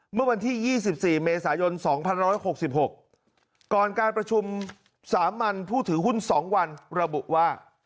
เมื่อวันที่๒๔เมษายน๒๑๖๖ก่อนการประชุมสามัญผู้ถือหุ้น๒วันระบุว่า